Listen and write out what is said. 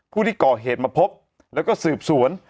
ผู้ที่ก่อเหตุมาพบแล้วก็สืบสวน